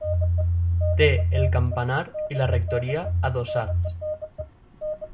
Té el campanar i la rectoria adossats.